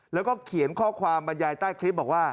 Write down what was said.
แล้วก็เขียนข้อความบรรยายใต้คลิปบอกว่า